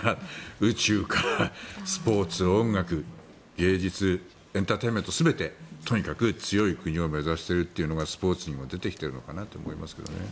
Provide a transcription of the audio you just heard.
宇宙からスポーツ、音楽芸術、エンターテインメント全て、とにかく強い国を目指しているというのがスポーツにも出てきているのかなと思いますけどね。